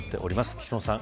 岸本さん